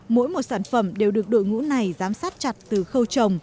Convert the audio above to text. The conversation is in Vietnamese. mỗi một sản phẩm đều được đội ngũ này giám sát chặt từ khâu trồng